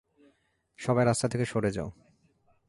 সবাই রাস্তা থেকে সরে যাও!